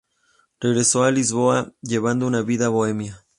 Regresó a Lisboa, llevando una vida bohemia.